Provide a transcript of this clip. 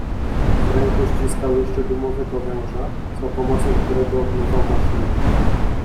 "W ręku ściskał jeszcze gumowego węża, za pomocą którego obmywał maszynę."